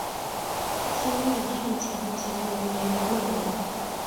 天命汗钱的钱文为老满文。